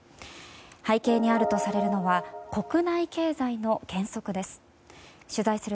背景にあるとされるのは国内経済の減速です。